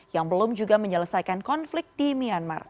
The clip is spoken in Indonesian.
yang belum juga menyelesaikan konflik di myanmar